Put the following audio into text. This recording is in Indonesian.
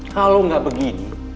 kalau gak begini